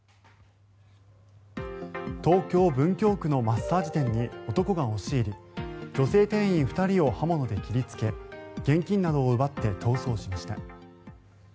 東京・文京区のマッサージ店に男が押し入り女性店員２人を刃物で切りつけ現金などを奪って逃走しました。